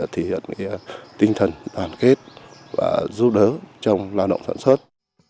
thể hiện tinh thần đoàn kết và giúp đỡ trong lao động sản xuất